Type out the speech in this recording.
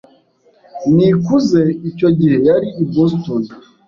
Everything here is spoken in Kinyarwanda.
Nikuze icyo gihe yari i Boston.